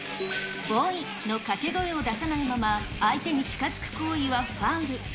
ボイの掛け声を出さないまま、相手に近づく行為はファウル。